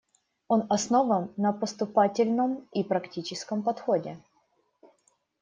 Он основан на поступательном и практическом подходе.